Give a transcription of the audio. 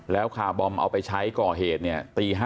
แล้วขาบอมเอาไปใช้ก่อเหตุตี๕๕๐น